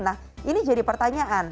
nah ini jadi pertanyaan